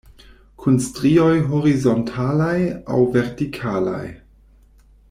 Kun strioj horizontalaj aŭ vertikalaj?